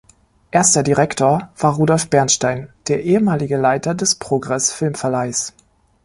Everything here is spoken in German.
Erster Direktor war Rudolf Bernstein, der ehemalige Leiter des Progress Film-Verleihs.